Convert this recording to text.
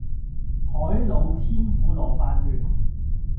海老天婦羅飯糰